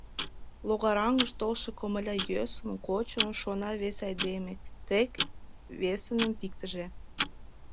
«Логараҥыш толшо комыля йӧсын, кочын, Шона вес айдеме, — тек весыным пиктыже».